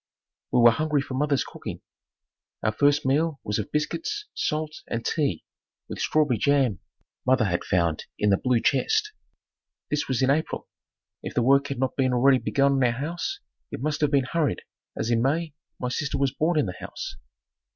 We were hungry for mother's cooking. Our first meal was of biscuits, salt and tea with strawberry jam, mother had found in the blue chest. This was in April. If the work had not been already begun on our house, it must have been hurried as in May my sister was born in the house.